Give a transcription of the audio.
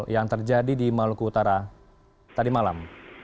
yang terjadi di maluku utara tadi malam